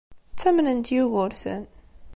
Ttamnent Yugurten.